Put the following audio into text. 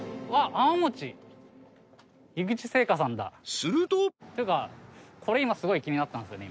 ［すると］というかこれ今すごい気になったんすよね。